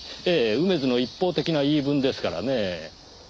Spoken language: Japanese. ええ梅津の一方的な言い分ですからねぇ。